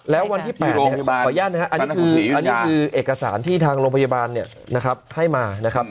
แล้ววันที่๘ขออนุญาตนะครับอันนี้คืออันนี้คือเอกสารที่ทางโรงพยาบาลให้มานะครับ